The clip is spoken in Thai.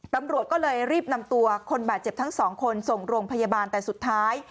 ตำรวจก็เลยรีบนำตัวคนบาดเจ็บทั้งสองคนส่งโรงพยาบาลแต่สุดท้าย